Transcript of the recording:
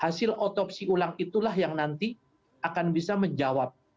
hasil otopsi ulang itulah yang nanti akan bisa menjawab